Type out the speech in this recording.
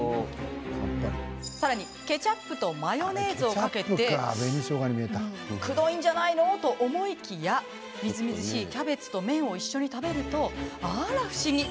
ケチャップとマヨネーズをかけてくどいんじゃないのと思いきやみずみずしいキャベツと麺を一緒に食べると、あら不思議！